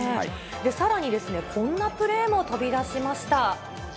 さらに、こんなプレーも飛び出しました。